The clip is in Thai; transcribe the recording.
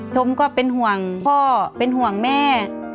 ชมก็เป็นห่วงพ่อเป็นห่วงแม่